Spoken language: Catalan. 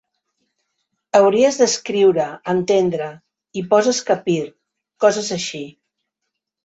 Hauries d'escriure entendre i poses capir, coses així.